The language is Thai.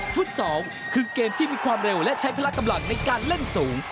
๒คือเกมที่มีความเร็วและใช้พละกำลังในการเล่นสูง